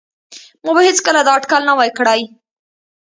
ما به هیڅکله دا اټکل نه وای کړی